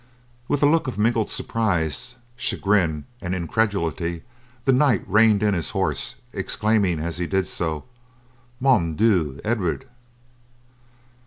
With a look of mingled surprise, chagrin and incredulity the knight reined in his horse, exclaiming as he did so, "Mon Dieu, Edward!"